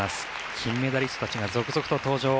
金メダリストたちが続々と登場。